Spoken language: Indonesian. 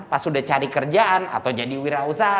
pas sudah cari kerjaan atau jadi wirausaha